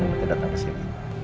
udah dateng kesini